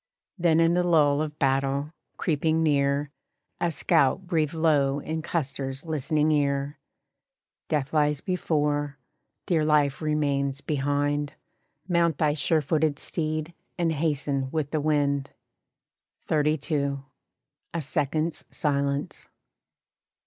Then in the lull of battle, creeping near, A scout breathed low in Custer's listening ear: "Death lies before, dear life remains behind Mount thy sure footed steed, and hasten with the wind." XXXII. A second's silence.